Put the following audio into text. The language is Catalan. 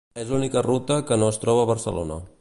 És l’única ruta que no es troba a Barcelona.